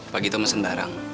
pak gito mesen barang